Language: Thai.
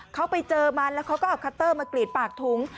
เขาไปเจอมันแล้วเขาก็เอาคัตเตอร์มากรีดปากถุง